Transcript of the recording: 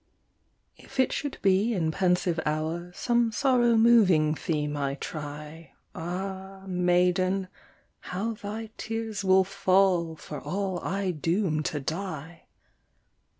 If it should be in pensive hour Some sorrow moving theme I try, Ah, maiden, how thy tears will fall, For all I doom to die!